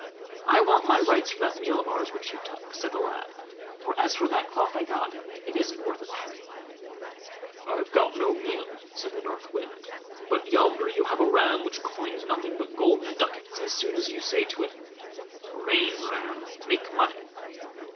"I want my rights for that meal of ours which you took", said the lad; "for, as for that cloth I got, it isn't worth a penny." "I've got no meal", said the North Wind; "but yonder you have a ram which coins nothing but golden ducats as soon as you say to it: 'Rain, ram! make money!